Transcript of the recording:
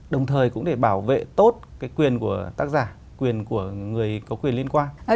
đồng thời cũng để bảo vệ tốt cái quyền của tác giả quyền của người có quyền liên quan